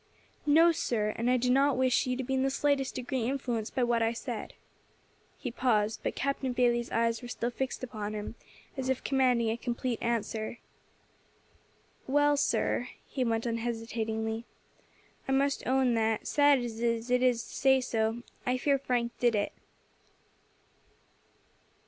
"No, sir, and I do not wish you to be in the slightest degree influenced by what I said." He paused, but Captain Bayley's eyes were still fixed upon him, as if commanding a complete answer. "Well, sir," he went on hesitatingly, "I must own that, sad as it is to say so, I fear Frank did it."